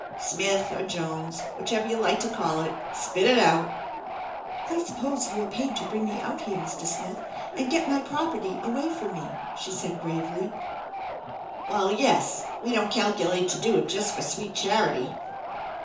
Smith, or Jones, whichever you like to call it. Spit if out!" " I suppose you are paid to bring me out here, Mr. Smith, and get my property away from me ?" she said gravely. "Well, yes, we don't calculate to do it just for sweet charity."